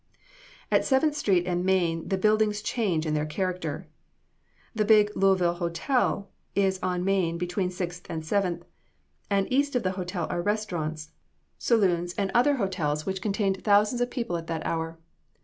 "At Seventh street and Main the buildings change in their character. The big Louisville Hotel is on Main between Sixth and Seventh, and east of the hotel are restaurants, saloons and other hotels which contained thousands of people at that hour.